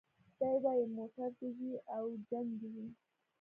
دی وايي موټر دي وي او جنګ دي وي